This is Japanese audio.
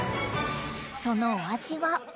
そのお味は？